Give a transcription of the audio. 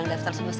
gila datengin aja